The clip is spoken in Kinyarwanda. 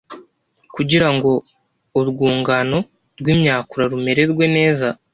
kugira ngo urwungano rwimyakura rumererwe neza